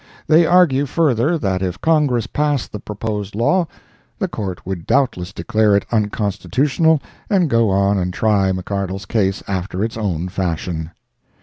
They argue further that if Congress passed the proposed law, the Court would doubtless declare it unconstitutional and go on and try McCardle's case after its own fashion.